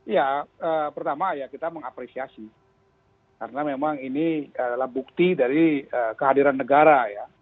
ya pertama ya kita mengapresiasi karena memang ini adalah bukti dari kehadiran negara ya